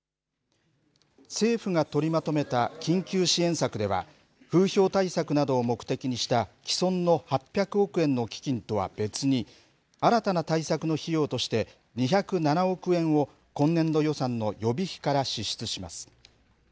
政府が取りまとめた緊急支援策では、風評対策などを目的にした既存の８００億円の基金とは別に、新たな対策の費用として２０７億円を、今年度予算の予備費から支出します。